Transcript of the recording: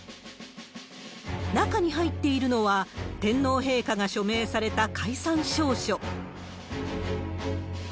中に入っているのは、天皇陛下が署名された解散詔書。